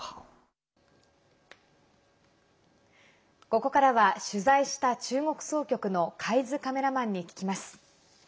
ここからは取材した中国総局の海津カメラマンに聞きます。